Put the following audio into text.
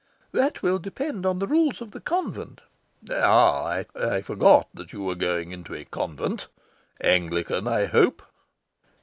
"That will depend on the rules of the convent." "Ah, I forgot that you were going into a convent. Anglican, I hope?"